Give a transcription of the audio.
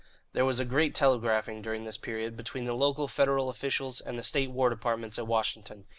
There was a great telegraphing, during this period, between the local Federal officials and the state and war departments at Washington.